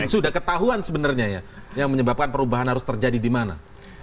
sudah ketahuan sebenarnya ya yang menyebabkan perubahan harus terjadi di mana